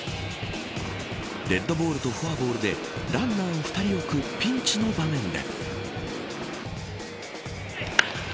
デッドボールとフォアボールでランナーを２人置くピンチの場面で。